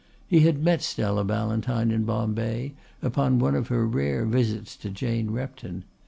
He had met Stella Ballantyne in Bombay upon one of her rare visits to Jane Repton.